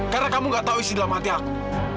karena kamu gak tahu isi dalam hati aku